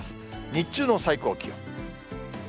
日中の最高気温。